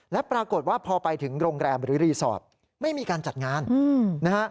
และปรากฏว่าพอไปถึงโรงแรมหรือรีสอร์ทไม่มีการจัดงานนะฮะ